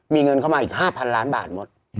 มีเงินเข้ามาอีก๕๐๐ล้านบาทหมด